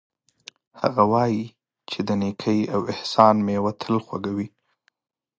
هغه وایي چې د نیکۍ او احسان میوه تل خوږه وي